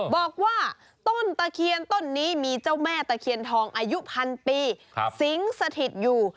บอกว่าต้นตะเคียนต้นนี้มีเจ้าแม่ตะเคียนทองอายุพันปีสิงสถิตอยู่